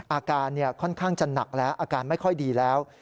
อาการค่อนข้างจะหนักแล้วอาการไม่ค่อยดีแล้ว